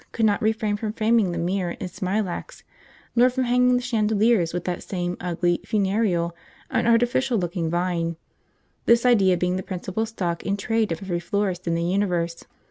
could not refrain from framing the mirror in smilax, nor from hanging the chandeliers with that same ugly, funereal, and artificial looking vine, this idea being the principal stock in trade of every florist in the universe.